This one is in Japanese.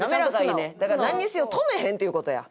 だからなんにせよ止めへんっていう事や。